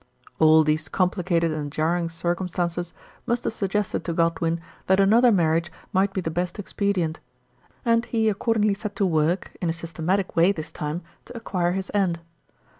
All these complicated and jarring circumstances must have suggested to Godwin that another marriage might be the best expedient, and he accordingly set to work in a systematic way this time to acquire his end.